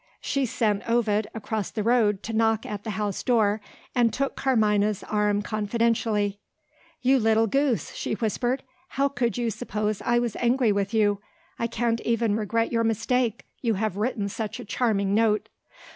She sent Ovid across the road to knock at the house door, and took Carmina's arm confidentially. "You little goose!" she whispered, "how could you suppose I was angry with you? I can't even regret your mistake, you have written such a charming note."